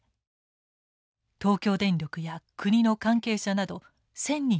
東京電力や国の関係者など１，０００人を超えます。